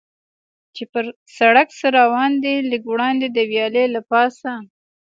چې پر سړک څه روان دي، لږ وړاندې د ویالې له پاسه.